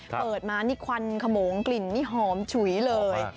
เปิดมานี่ควันขโมงกลิ่นนี่หอมฉุยเลย